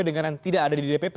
dengan yang tidak ada di dpp